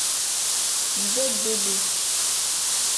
Nze Dudu.